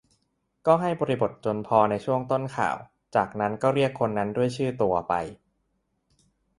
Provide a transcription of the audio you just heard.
ก็ให้บริบทจนพอในช่วงต้นข่าว จากนั้นก็เรียกคนนั้นด้วยชื่อตัวไป